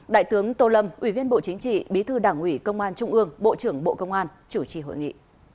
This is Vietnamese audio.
đại tướng tô lâm ủy viên bộ chính trị bí thư đảng ủy công an trung ương bộ trưởng bộ công an chủ trì hội nghị